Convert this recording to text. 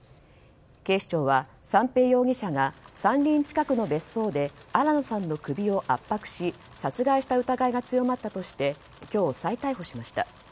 警視庁は、三瓶容疑者が山林近くの別荘で新野さんの首を圧迫し殺害した疑いが強まったとして今日、再逮捕しました。